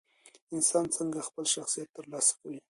انسان څنګه خپل شخصیت ترلاسه کوي؟